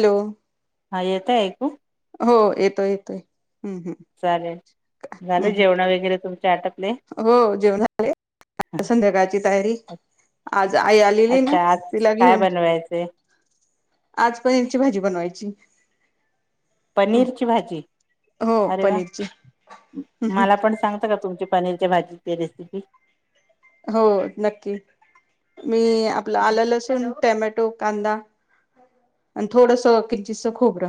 Hello! हा येतय ऐकू? हो येतोय येतोय हम्. चालेल झालं जेवण वगैरे तुमचे आटपले. हो जेवण [unintelligible] संध्याकाळची तयारी आज आई आलेली ना अच्छा आज तिला काय घेऊन बनवायचेय? आज पनीर ची भाजी बनवायची. पनीरची भाजी. हो अरे वा! पनीरची मला पण सांगता का तुमची पनीरच्या भाजीची रेसिपी. हो नक्की मी आपलं आलं, लसूण, टॅमॅटो, कांदा - आणि थोडसं किंचीतस खोबरं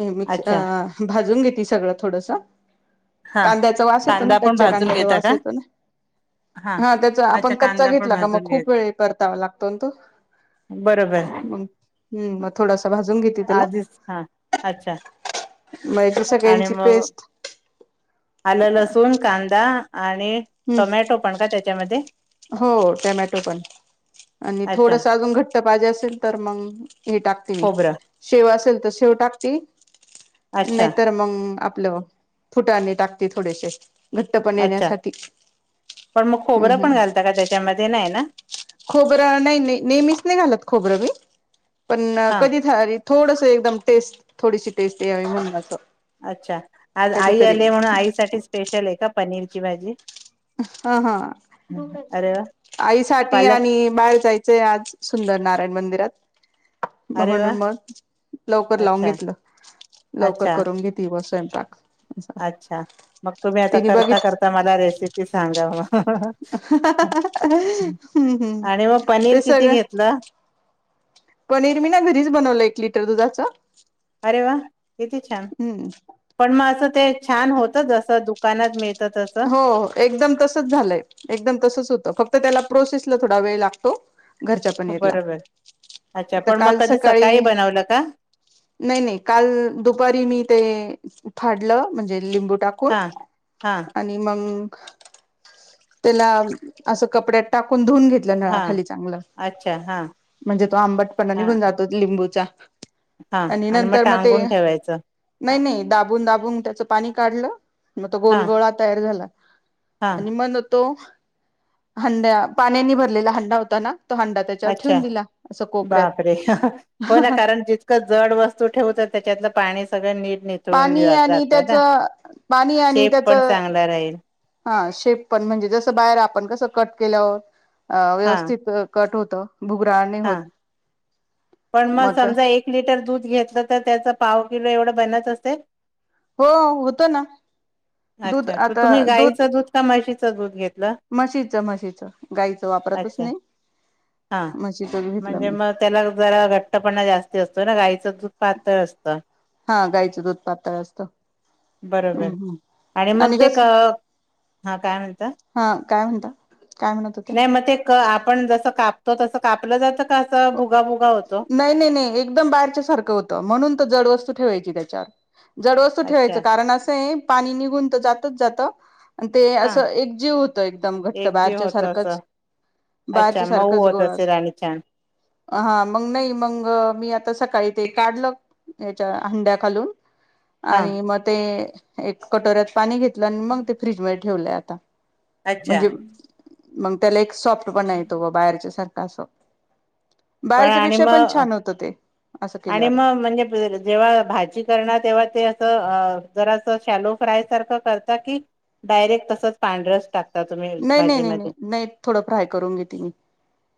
हे मिक्स अ अच्छा भाजून घेत सगळं थोडस हा कांद्याचा वास येतो ना? कांदा पण कच्च्या भाजून कांद्याचा घेता वास का येतो ना? हा त्याचा अच्छा आपण कच्चा कांदा पण घेतला का मग भाजून घ्यायच खूप वेळी परतावा लागतो ना तो. बरोबर मग हम्म मग थोडासं भाजून घेते त्याला आधीच हा - अच्छा मे एका आणि सगळ्यांची मग पेस्ट आलं लसूण कांदा आणि टमॅटो पण का त्याच्यामध्ये हो टॅमॅटो पण आणि अच्छा थोडस अजून घट - ट्ट पाजी असेल तर मंग हे टाकती खोबरं शेव असेल तर शेव टाकती. अच्छा नाहीतर मंग आपलं फुटानी टाकते थोडेशे. घट्टपण अच्छा येण्यासाठी. हम्म. हम्म. त्यामध्ये नाही ना? खोबरं नाही ते, नेहमीच नाही घालत खोबरं मी, पण हा कधीतरी थोडस एकदम टेस्ट, थोडीशी टेस्ट यावी म्हणून असं. अच्छा, आज आई कधीतरी आलीय म्हणून आई साठी स्पेशल का पनीरची भाजी? हं हं अरे वा आईसाठी पालक आणि बाहेर जायचंय आज. सुंदर नारायण मंदिरात. अरे दाहवा वा नंबर लवकर लावून अच्छा घेतलं, लवकर अच्छा करून घेतलं. [unintelligible] स्वयंपाक. अच्छा मग तुम्ही आता तिने बघित करता-करता मला रेसिपी सांगा म. हां हां हं हं, हम् हम् आणि मग पनीर ते किती सगळ घेतलं पनीर मी ना घरीच बनवलं, एक लिटर दुधाचं. अरे वा, किती छान! पण म असं ते छान होतच, असं दुकानात मिळत त हो एकदम तसंच झालंय, एकदम तसंच होतं फक्त त्याला प्रोसेसला थोडा वेळ लागतो. घरच्या पनीरला, बरोबर अच्छा त पण मग काल कधी सकाळी बनवलं का नही नही काल दुपारी मी ते फाडलं, म्हणजे लिंबू टाक हां हां. आणि मंग त्याला असं कपड्यात टाकून, धुवून घेत लं, हा नळा खाली चांगलं, अच्छा हा म्हणजे तो आंबटपणा हा निघून जातो, लिंबूचा. हा आणि मग नंतर म ते टांगून ठेवायचं नही नही, दाबून-दाबून त्याचं पाणी काढलं, म तो गोल हा गोळा तयार झाला. हा आणि मण तो, हांड्या-पाण्यानी भरलेला हांडा होता ना, तो हांडा अच्छा, बापरे हं हं हो ना करण जी तक जड वस्तू ठेऊ, तर त्याच्यातलं पाणी सगळं नीट ने पाणी आणि त्याचं, पाणी आणि शेप पण त्याचं चांगला राहील हं शेप पण, म्हणजे जसं बाहेर आपण कसं कट केल्यावर, अं हा व्यवस्थित कट होत, भुगराळ नहीं होत. हा पण मग समजा एक लिटर दूध घेतलं, तर त्याचं पाव किलो एवढं बनत असेल? हो होत ना, दूध आता दूध त म्हशीचं दूध घेत म्हशीच म्हशीच, गाईचं वापरतच अच्छा नही, हा म्हशीच दूध घेतलं म्हणजे मी. मग त्याला जरा घट्टपणा जास्ती असतो ना, गाईचं दूध पातळ असतं. हां, गाईचं दूध पातळ असतं. हम्म बरोबर हम्म आणि मग ते क अं, हां काय म्हणता? हं काय म्हणता? काय म्हणत होत्या नाही मग ते क आपण जसं कापतो, तसं कापलं जातं का, असं भुगा-भुगा होतो? नही नही, एकदम बाहेरच्या सारखं होतं, म्हणून तर जडवस्तू ठेवायची त्याच्यावर. जड वस्तु ठेवायचं अच्छा कारण असंय, पाणी निघून त जातच जात अं ते हा असं एक जीव होतं, एकदम घट्ट एक जीव बाहेरच्या होतो असं सारखंच. अच्छा बाहेरच्या मऊ सारखच होत गोळा असेल आणि छान हां मंग नही, मंग मी आता सकाळी ते काढलं याच्या हंड्या खालून. हा आणि म ते एक कटोऱ्यात पाणी घेतलं आणि मग ते फ्रीजमध्ये ठेवलंय आता. अच्छा म्हणजे मंग त्याला एक सॉफ्ट पणा येतो बो, बाहेरच्या सारखा असं. पण बाहेरच्यां आणि पेक्षां पणं मग छान होतं ते असं आणि केल्यावर मंग म्हणजे प जेव्हां भांजी करणारं तेव्हां ते असं जरां असं शॅलो फ्रांय सारखं करतां की डायरेक्ट तसंच पांढरस टाकतं नाहीं नाहीं नाहीं नाहीं नाहीं थोडं फ्रांय करूंनगी घेते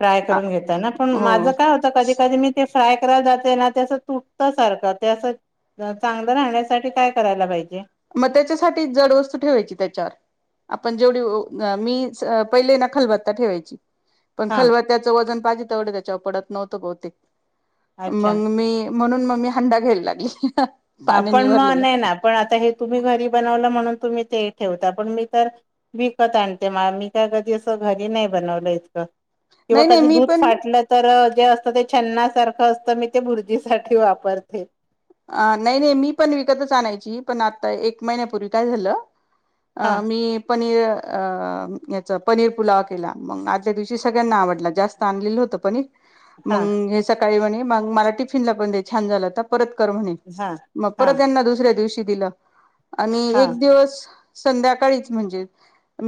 फ्रांय करूंन घेता नां पणं हो माझं कायं होतं कधीं कधीं मी ते फ्रांय करायला जातं ते नां तसं तुटतं सारखं तेसं चांगलं राहण्यांसाठी कायं करायंला पाहिजे मंग त्यांच्यासाठी जडं वस्तूं ठेवायची त्यांच्यावर आपणं जेवढी मी पहिले नं खलबत्ता ठेवायची पणं हा खलबत्ता त्याचं वंजन पाहीजे तेवढं त्यांच्यावर पडतं नव्हतं बहुतेक अच्छा मंग मी म्हणूंन मग्मी हंडा घ्यांयला लागली हां पाण्याने पणं मंग भरलेला नाहीं नां पणं आंता हे तुम्हीं घरी बनवलं म्हणूंन तुम्हीं ते ठेवतां पणं मी तरं विकतं आणते मंग मी कायं कधीं असं घरी नाहीं बनवलं इतकं किंवा नाही नाही कधीं मी दूधं पण फाटलं तरं जे असतं ते छन्नासारखं असतं मी ते भुर्जीसाठी वापरते अं नाहीं नाहीं मी पणं विकतचं आणांयची पणं आंता एक महिन्यांपूर्वी कायं झालं हा अं मी पनीरं यांचं पनीर पुलांव केलां मंग आदल्यां दिवशी सगळ्यांना आवडलां जास्तं मी आणलेलं होतं पनीर हा मंग हे कायं म्हणंले मलां टिफिन लां पणं दे पणिर छान छान झांल होतं म्हणे हा मंग हा परंत त्यांना दुसऱ्यां दिवशी दिलं आणि एक हा दिवसं संध्याकाळी चं म्हणजे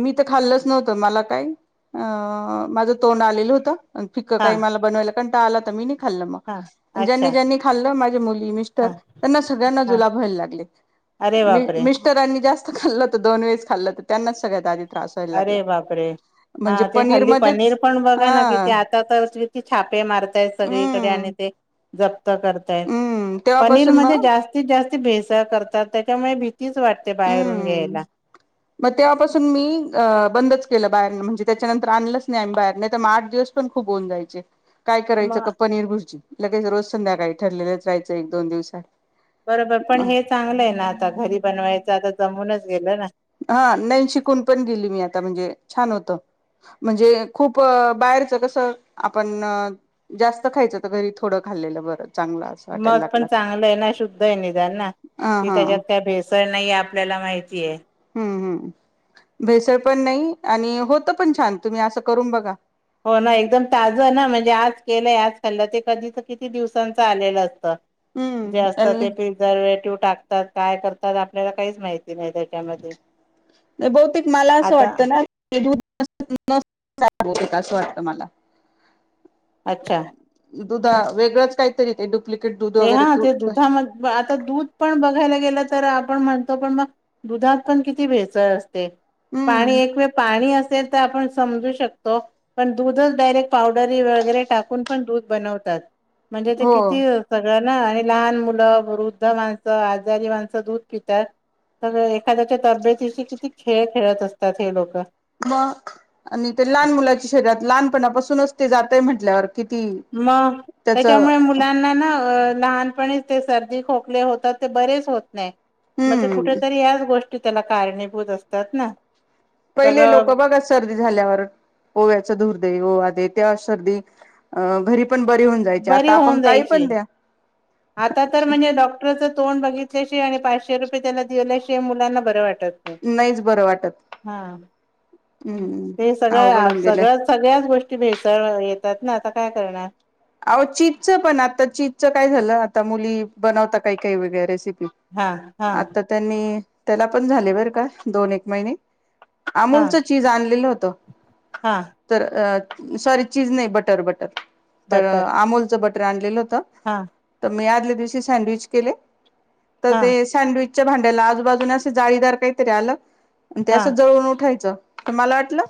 मी तरं खाल्लंच नव्हतं मलां कांहीं अं माझं तोंड आलेलं होतं फिक्क हा कांहीं मलां बनवांयला कंटाळा आंला तरं मी नाहीं खाल्लं हा मंग ज्यांनी अच्छा ज्यांनी खाल्ललं माझी मुलगी हा त्यांना सगळ्यांना हा जुलाब व्हायला लागले अरे माझे मिस्टर बापरे मीसटरानि जास्तं खाल्लं होतं त्यां नाचं खाल्लेलं तरं त्यांनाच सगळ्यां अ अरे बापरे हां ते हल्दी पनीर मध्येच पणं बघां हा नां किती आंता तरं किती छापे मारतांय सगळीकडे हम्म आणि ते जंप्त करतांय हम्म पनीर तेव्हापासून मग मध्यें जास्तं जास्तं भेसांळ करतांत त्यांच्यामुळे भीतीचं वाटतें बाहेरूंन घ्यांयला मंग तेंव्हापासून मी बंदच केलं बाहेर म्हणजे त्यांच्यानंतर आणलंच नाहीं आम्हीं बाहेरून नाहीं तरं मंग आंठ दिवसं पणं खूंप होऊन जायचे कायं करायचं मग कां पनीर भुर्जी लगेच रोज संध्याकांळी ठरलेलंच राहायचं एक दोन दिवसांनी बरोबर पणं हे चांगलं आहे नां आंता घरी बनवायचं आंता जमूंनच गेलं नां हां नाई शिकूंन पणं गेली मी आंता म्हणजे छान होतं म्हणजे खूंप बाहेरचं कसं आपणं जास्तं खायचं तरं घरी थोडं खाल्लेलं बरं चांगलं असं वाटायला मंग पणं लागलं. चांगलं आहे नां शुद्ध आहे निधान नां हा कि हा त्यांच्यात कायं भेसळ भेसरं नाहीं आपल्यांला माहिती आहे हम्मं हम्मं भेसळ पणं नाहीं आणि होतं पणं छान तुम्हीं असं करूंन बघां हो नां एकदंम ताजं नां म्हणजे आंज केलंय आंज खाल्लं ते कधीं तरं किती दिवसांचं आलेलं असतं जे हम्म असतांत आणि ते प जरं वेळी दूधं टाकतांत कायं टाकतांत काहींचं माहित नसतं आपल्यांला त्यांच्या वेळी बहुतेक मलां असं वाटतं नां ते कां बहुतेक असं वाटतं मलां अच्छा दुधा वेगळंच काहीतरी ते डुप्लिकेट दुध ते वगैरे हा तू ते दुधामध्ये आता दूध पण बघायला गेलं तर आपण म्हणतो पण मग दुधात पण किती भेसळ असते पाणी हम्म एक पाणी असेल तर आपण समजू शकतो. पण दूधच डायरेक्ट पावडरी वगैरे टाकून पण दूध बनवतात म्हणजे ते हो किती सगळं ना आणि लहान मुलं वृद्ध माणसं आजारी माणसं दूध पितात. सगळ एखाद्याच्या तब्येतीशी किती खेळ खेळत असतात. हे लोक मग आणि ते लहान मुलाची शरीरात लहानपणापासूनच ते जातय म्हटल्यावर किती मग त्याच त्याच्यामुळे मुलांना ना लहान सर्दी खोकले होतात ते बरेच होत नाही मग ते हम्म कुठेतरी याच गोष्टी त्याला कारणीभूत असतात ना. पहिले लोक सगळं बघाच. सर्दी झाल्यावर ओव्याचा दुर्दैववादी तेव्हा सर्दी घरी पण बरी व्हायची ना. जायचे बरी आता आपण होऊन काही जायची पण द्या. आता तर म्हणजे डॉक्टरचं तोंड बघितल्याश आणि पाचशे रुपये त्याला दिल्याश मुलांना बरं वाटतं. नाहीच बरं वाटत हा हम्म ते अवघड सगळं होऊन गेलंय सगळंच सगळ्याच गोष्टी भेसळ येतात ना आता काय करणार. अह चीजचं पण आता चीजचं काय झालं आता मुली बनवता काही काही वेगळ्या रेसिपी हा हा आता त्यांनी त्याला पण झाले बर का दोन एक महिने. हा अमूलचं चीज आणलेलं होतं. हा तर सॉरी चीज नाही बटर बटर तर बटर अमोलचं बटर आणलेलं होत. हा. तर मी आदल्या दिवशी सँडविच केले तर हा ते सँडविचच्या भांड्याला आजूबाजून असं जाळीदार काहीतरी आलं ते हा असं जळून उठायचं. तर मला वाटलं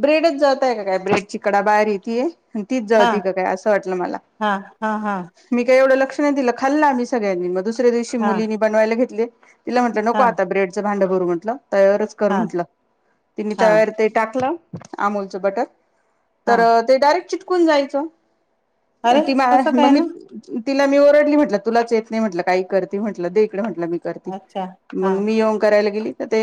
ब्रेडच जवातय का काय ब्रेडची कडा बाहेर य तीे तीच हा जळते. वाट हा हा हा मी काव लक्ष नाही दि खाल् सग्यांनी द दिवशी मुलीनी हा बनवायला घेतले त म्हटलं नको आता ब्रेडचं भांड भरू म्हटलं त्यावरच हा म्हंटलं ती हा तयार ते टाकलं अमूोलचं बटर हा तर ते डायरेक्ट चिटकून जायचं अरे ती मा कसं मग काय मी ना तिला मी ओरडली म्हटलं तुलाच येत नाही म्हटलं काही करते म्हटलं. दकडे म्हटलं मी कर अच्छा हा मग मी येोन करायला गेली. तर ते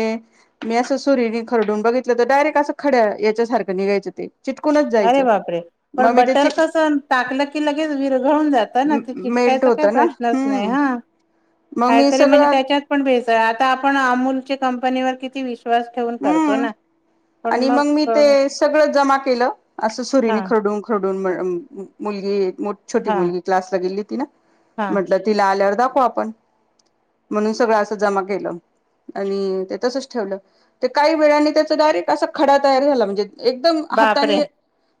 मी असं सुरीने खरडून बघितलं. तर डायरेक्ट असं खड्या याच्यासारखं निघायचं ते चिटकूनच अरे जायचं बापरे मग पण मी बटर त्याची कसं टाकलं की लगेच विरघळून जात. ते मेल्ट चिटकायचा होत काही ना प्रश्नच नाही हम्म हा मग मी काहीतरी म्हणजे सगळं त्याच्यात पण भे आता आपण अमूलच्या कंपनीवर किती विश्वास ठेवून करतो हम्म ना. पण आणि मग मी ते क- सगळं जमा केलं असं हा सुरीनी खरडून खरडून मुलगी छोटी हा मुलगी क्लासला गेली ती ना हा म्हटलं तिला आल्यावर दाखव आपण म्हणून सगळं असं जमा केलं. आणि ते तसंच ठेवलं ते काही वेळानी त्याच डायरेक्ट खड त झाला म्हणजे एकम हाता बापरे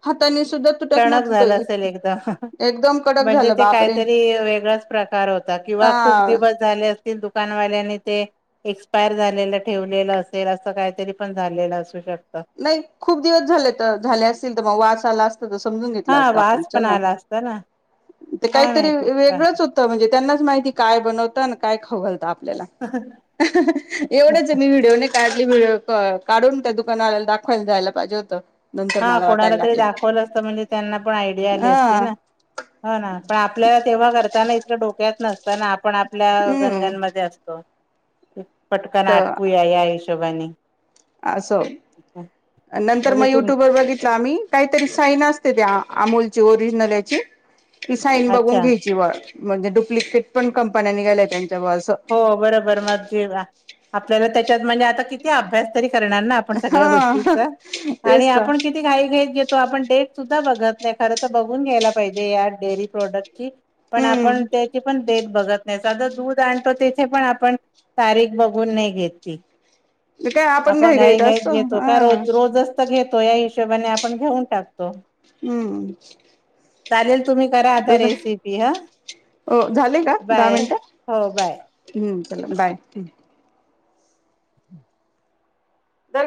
हाता सुद्धा तुटत टणक नव्हत तो झालं असेल एकदम एकदम कडक म्हणजे झालं ते बापरे काहीतरी वेगळाच प्रकार होत. अ किंवा खूप दिवस झाले असतील दुकानवाल्यांनी ते एक्सपायर झालेलं ठेवलेलं असेल असं काहीतरी पण झालेलं असू शकतं. नाही खूप दिवस झाले तर झाले असतील तर मग वास आला असल. सगळं समजून घेतला हा असत आपण वास पण चला आला असता ना ते काय काहीतरी माहिती काय वेगळंच होत. त म्हणजे त्यांनाच माहिती काय बनवतं आणि काय खऊ घलत आपल्याला. एवढंच आहे मी व्हिडिओने काढली व्हिडओ काढून का तु''--'' बनवलेलं दाखवायला जायला पाहिजे होतं. नंतर हा मला कोणाला वाटायला तरी लागलं दाखवलं अस तर म्हणजे त्यांना पण आयडिया आली असती हा ना. हो ना पण आपल्याला तेव्हा करताना इतकं डोक्यात नसतं. ताना आपण आपल्या हम्म गणगनमध्ये असतो पटकन आटपूया या हिशो''--'' शोभाने. असो नंतर मग म्हणजे तुम युट्युबवर बघितला आम्ही. काहीतरी साईन असते त्या अमूलची ओरिजनलची ती साईन बघून अच्छा घ्यायची व''--'' म्हणजे डुप्लिकेट पण कंपन्यांनीघाल्यात त्यांच्याबुव असं. हो बरोबर मग जे आपल्याला त्याच्यात म्हणजे आता किती अभ्यास. किती करणार ना आपण सगळ्या हा गोष्टीचं आणि तेच तर आपण किती. घाई घाईच घेतो आपण डेट सुद्धा बघत नाही खरं तर बघून घ्यायला पाहिजे या डेअरी प्रोडक्ट ची. पण आपण हम्म. त्याची पण देत बघत नाही सध दूध आण. त तेथे पण आपण तारीख बघून नाही घेतली. ते काय आपण घाई घाईत असतो घेतो हा का रोज रोजच. त घेतो या हिशोबाने आपण घेऊन टाकतो. हम्म. चालेल तुम्ही करा आता रेसिपी हा हो झाले का दहा बाय मिनिटं हो बाय. हम्म चलाल बाय.